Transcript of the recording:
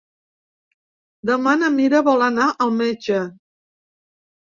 Demà na Mira vol anar al metge.